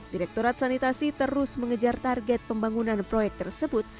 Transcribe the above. direkturat sanitasi terus mengejar target pembangunan proyek tersebut